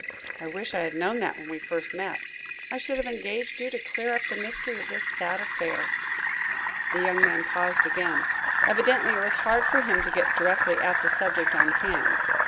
I wish I had known that when we first met I should have engaged you to clear up the mystery of this sad affair." The young man paused again. Evidently it was hard work for him to get directly at the subject on hand.